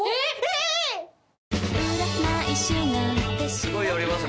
すごい寄りますね。